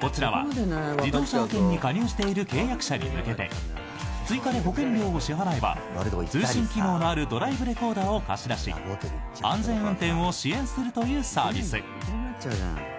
こちらは、自動車保険に加入している契約者に向けて追加で保険料を支払えば通信機能のあるドライブレコーダーを貸し出し安全運転を支援するというサービス。